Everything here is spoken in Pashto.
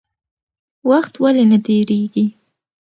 وخت ولې نه تېرېږي؟